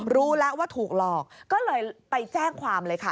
รู้แล้วว่าถูกหลอกก็เลยไปแจ้งความเลยค่ะ